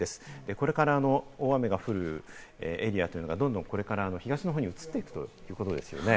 これから大雨が降るエリアというのが、どんどんこれから東の方に移っていくということですね。